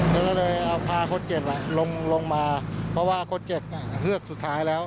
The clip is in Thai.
แล้วก็เลยเอาพาคนเจ็บลงมาเพราะว่าคนเจ็บเลือกสุดท้ายแล้ว